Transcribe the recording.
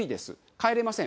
帰れません。